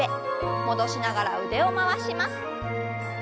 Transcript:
戻しながら腕を回します。